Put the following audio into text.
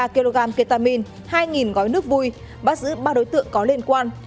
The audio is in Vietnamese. năm mươi ba kg ketamine hai gói nước vui bắt giữ ba đối tượng có liên quan